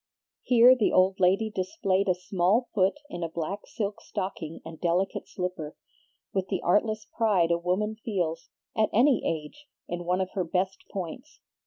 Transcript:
Here the old lady displayed a small foot in a black silk stocking and delicate slipper, with the artless pride a woman feels, at any age, in one of her best points.